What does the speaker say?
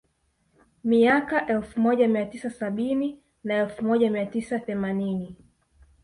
Miaka ya elfu moja mia tisa sabini na elfu moja mia tisa themanini